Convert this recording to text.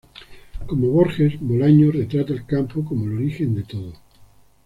Como Borges, Bolaño retrata el campo como el origen de todo.